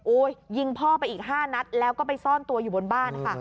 ยิงพ่อไปอีก๕นัดแล้วก็ไปซ่อนตัวอยู่บนบ้านค่ะ